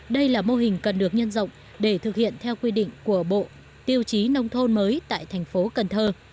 đây là mô hình cần được nhân rộng để thực hiện theo quy định của bộ tiêu chí nông thôn mới tại thành phố cần thơ